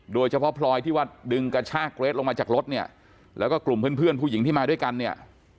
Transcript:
โดยเฉพาะพลอยที่ว่าดึงกระชากเกรทลงมาจากรถเนี่ยแล้วก็กลุ่มเพื่อนเพื่อนผู้หญิงที่มาด้วยกันเนี่ย